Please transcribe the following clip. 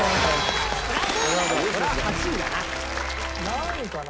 何位かな？